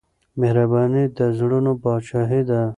مهرباني د زړونو پاچاهي ده.